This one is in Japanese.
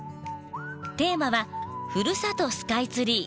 テーマは「ふるさとスカイツリー」。